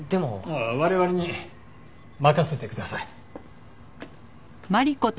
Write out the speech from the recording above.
我々に任せてください。